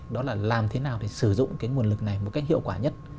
đó là làm thế nào để sử dụng cái nguồn lực này một cách hiệu quả nhất